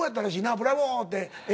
「ブラボー！」ってええ